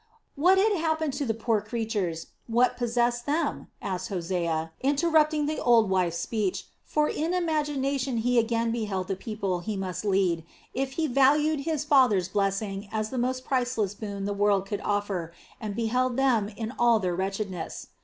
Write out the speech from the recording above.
"What had happened to the poor creatures, what possessed them?" asked Hosea, interrupting the old wife's speech; for in imagination he again beheld the people he must lead, if he valued his father's blessing as the most priceless boon the world could offer, and beheld them in all their wretchedness.